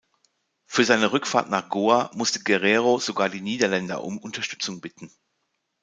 Für seine Rückfahrt nach Goa musste Guerreiro sogar die Niederländer um Unterstützung bitten.